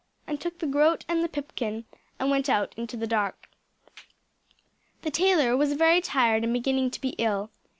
and took the groat and the pipkin, and went out into the dark. The tailor was very tired and beginning to be ill.